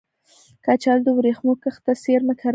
کچالو د ورېښمو کښت ته څېرمه کرل کېږي